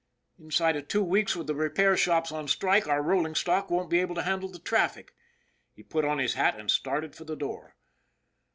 Inside of two weeks with the repair shops on strike our rolling stock won't be able to handle the traffic." He put on his hat and started for the door.